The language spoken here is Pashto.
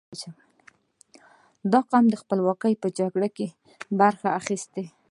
• دا قوم د خپلواکۍ په جګړو کې برخه اخیستې.